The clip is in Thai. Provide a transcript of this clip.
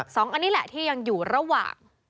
สองอันนี้แหละที่ยังอยู่ระหว่าง